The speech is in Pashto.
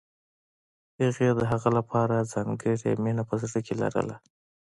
هغې د هغه لپاره ځانګړې مینه په زړه کې لرله